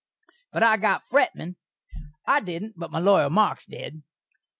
But I got Fretman. I didn't, but my lawyer, Marks, did.